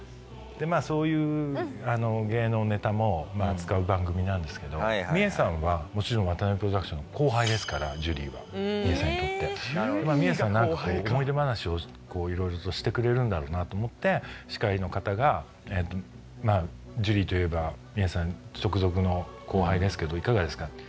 「まあそういう芸能ネタも扱う番組なんですけどミエさんはもちろん渡辺プロダクションの後輩ですからジュリーはミエさんにとって」「ミエさんなんかこう思い出話をいろいろとしてくれるんだろうなと思って司会の方が“ジュリーといえばミエさん直属の後輩ですけどいかがですか？”って」